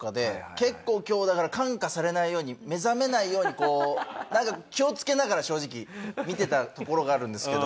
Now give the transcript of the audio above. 結構今日だから感化されないように目覚めないようにこうなんか気をつけながら正直見てたところがあるんですけど。